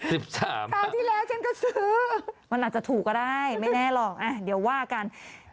สิบสามครับมันอาจจะถูกก็ได้ไม่แน่หรอกเดี๋ยวว่ากัน